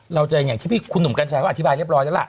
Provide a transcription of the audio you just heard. เราจะอย่างที่พี่คุณหนุ่มกัญชัยเขาอธิบายเรียบร้อยแล้วล่ะ